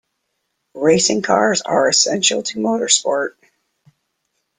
Racing cars are essential to motorsport